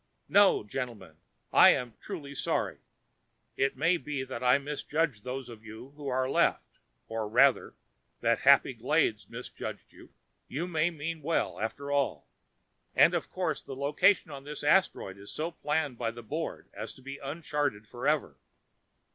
No gentlemen, I am truly sorry. It may be that I misjudged those of you who are left, or rather, that Happy Glades misjudged you. You may mean well, after all and, of course, the location of this asteroid was so planned by the Board as to be uncharted forever.